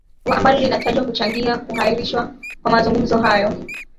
wa ambalo linatajwa kuchangia kuahirishwa kwa mazungumzo hayo